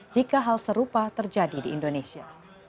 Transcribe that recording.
jika hal serupa terjadi di indonesia